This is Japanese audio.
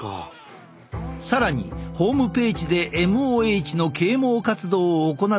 更にホームページでＭＯＨの啓蒙活動を行っているところも。